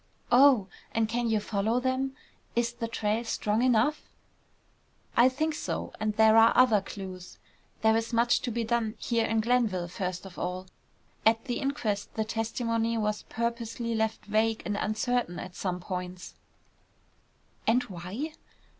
"Oh! And can you follow them? Is the trail strong enough?" "I think so. And there are other clues. There is much to be done here in Glenville first of all. At the inquest the testimony was purposely left vague and uncertain at some points." "And why?"